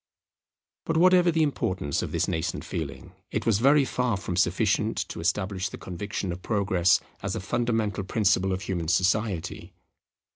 But whatever the importance of this nascent feeling, it was very far from sufficient to establish the conviction of Progress as a fundamental principle of human society.